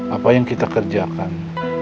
apa yang kita kerjakan